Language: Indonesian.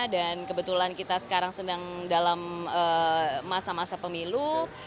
dan kebetulan kita sekarang sedang dalam masa masa pemilu